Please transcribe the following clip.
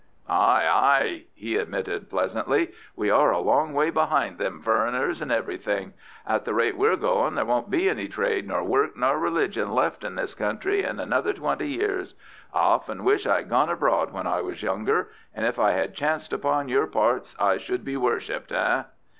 "Ay, ay," he admitted pleasantly. "We are a long way behind them foreigners in everything. At the rate we're going there won't be any trade nor work nor religion left in this country in another twenty years. I often wish I had gone abroad when I was younger. And if I had chanced upon your parts I should be worshipped, eh?"